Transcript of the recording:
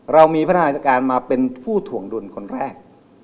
เรามีพนาศาสตร์อายการมาเป็นผู้ถวงดุลคนแรก